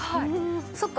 そっか。